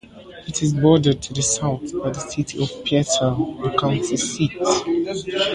It is bordered to the south by the city of Pearsall, the county seat.